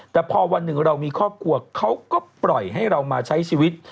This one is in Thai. แต่พอวันหนึ่งเรามีครอบครัวเขาก็ปล่อยให้เรามาใช้ชีวิต